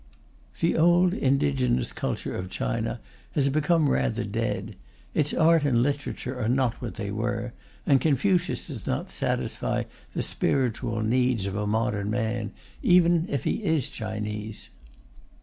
The old indigenous culture of China has become rather dead; its art and literature are not what they were, and Confucius does not satisfy the spiritual needs of a modern man, even if he is Chinese.